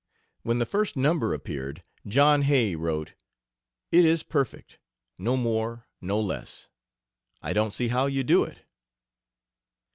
When the first number appeared, John Hay wrote: "It is perfect; no more nor less. I don't see how you do it."